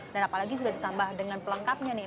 dan apalagi sudah ditambah dengan pelengkapnya nih